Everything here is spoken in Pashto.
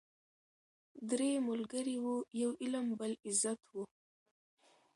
درې ملګري وه یو علم بل عزت وو